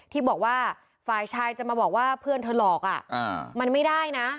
ที่บอกว่าฝ่ายชายจะมาบอกว่าเพื่อนเธอหลอกมันไม่ได้นะ